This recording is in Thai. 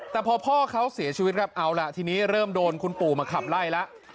แต่พอพ่อเขาเสียชีวิตครับเอาล่ะทีนี้เริ่มโดนคุณปู่มาขับไล่แล้ว